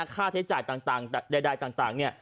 ค่าใช้จ่ายต่างใดต่าง